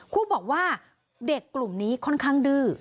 ครูบอกว่าเด็กกลุ่มนี้ค่อนข้างดื้อ